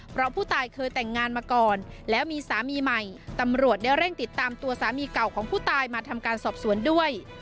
เพราะผู้ตายเคยแต่งงานมาก่อนแล้วมีสามีใหม่ตำรวจได้เร่งติดตามตัวสามีเก่าของผู้ตายมาทำการสอบสวนด้วย